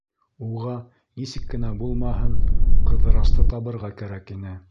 Уға, нисек кенә булмаһын, Ҡыҙырасты табырға кәрәк ине.